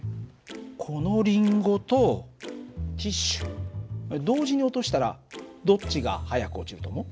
このリンゴとティッシュ同時に落としたらどっちが速く落ちると思う？